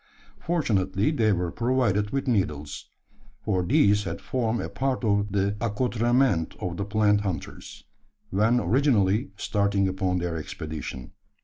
Fortunately, they were provided with needles: for these had formed a part of the accoutrement of the plant hunters when originally starting upon their expedition.